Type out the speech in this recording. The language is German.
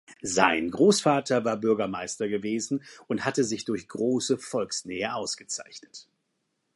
Sein Großvater war Bürgermeister gewesen und hatte sich durch große Volksnähe ausgezeichnet.